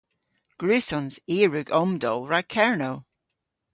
Gwrussons. I a wrug omdowl rag Kernow.